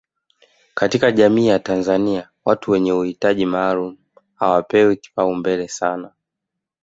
katika jamii ya Tanzania watu wenye uhitaji maalum hawapewi kipaumbele sana